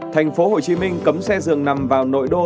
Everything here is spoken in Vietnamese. thành phố hồ chí minh cấm xe dường nằm vào nội đô